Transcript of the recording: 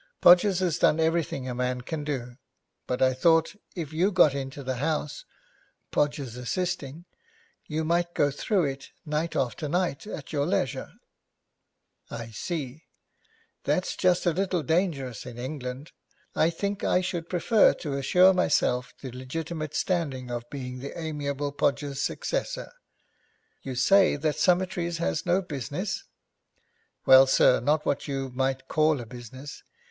Podgers has done everything a man can do, but I thought if you got into the house, Podgers assisting, you might go through it night after night at your leisure.' 'I see. That's just a little dangerous in England. I think I should prefer to assure myself the legitimate standing of being the amiable Podgers' successor. You say that Summertrees has no business?' 'Well, sir, not what you might call a business.